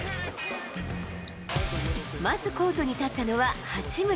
まずコートに立ったのは八村。